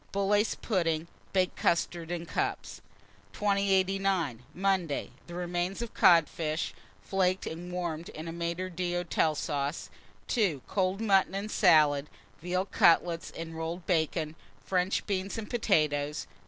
Bullace pudding, baked custards in cups. 2089. Monday. 1. The remains of codfish, flaked, and warmed in a maître d'hôtel sauce. 2. Cold mutton and salad, veal cutlets and rolled bacon, French beans and potatoes.